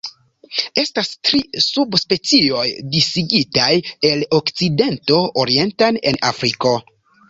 Estas tri subspecioj disigitaj el okcidento orienten en Afriko.